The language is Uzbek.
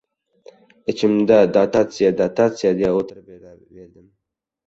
Ichimda dotatsiya-dotatsiya... deya o‘tira berdim.